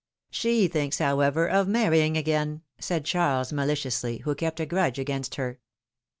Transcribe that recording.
" She thinks, however, of marrying again," said Charles, maliciously, who kept a grudge against her.